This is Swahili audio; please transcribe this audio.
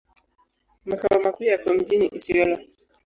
Makao makuu yako mjini Isiolo.